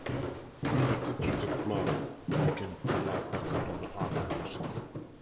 When the destructive flood begins, all life outside of the ark perishes.